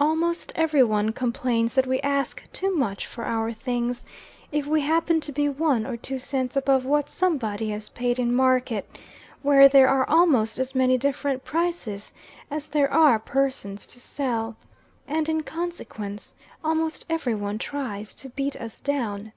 Almost every one complains that we ask too much for our things, if we happen to be one or two cents above what somebody has paid in market, where there are almost as many different prices as there are persons who sell. And in consequence, almost every one tries to beat us down.